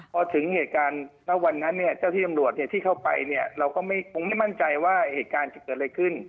พอถึงเหตุการณ์ณวันนั้นเนี่ยเจ้าที่ตำรวจที่เข้าไปเนี่ยเราก็คงไม่มั่นใจว่าเหตุการณ์จะเกิดอะไรขึ้น